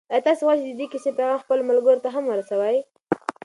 آیا ته غواړې چې د دې کیسې پیغام خپلو ملګرو ته هم ورسوې؟